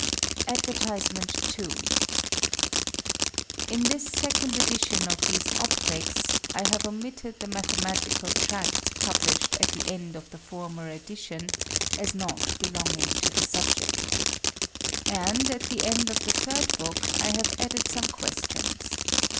Advertisement II _In this Second Edition of these Opticks I have omitted the Mathematical Tracts publish'd at the End of the former Edition, as not belonging to the Subject. And at the End of the Third Book I have added some Questions.